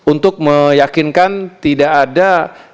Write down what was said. untuk meyakinkan tidak ada